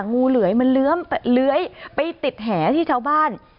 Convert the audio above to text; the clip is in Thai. งูเหลือยมันเลื้อยไปติดแหที่ชาวบ้าน